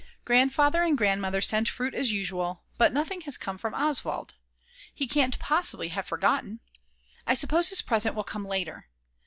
Grandfather and Grandmother sent fruit as usual, but nothing has come from Oswald. He can't possibly have forgotten. I suppose his present will come later.